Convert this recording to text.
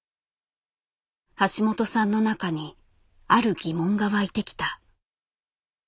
橋本さんの中にある疑問が湧いてきた。